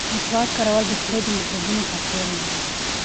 مسواک کارول د خولې د میکروبونو قاتل دی.